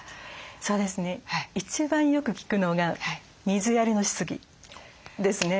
そうですね一番よく聞くのが水やりのしすぎですね。